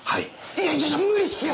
いやいやいや無理っすよ